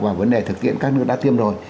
và vấn đề thực tiễn các nước đã tiêm rồi